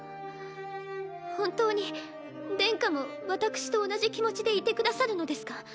本当に殿下も私と同じ気持ちでいてくださるのですか？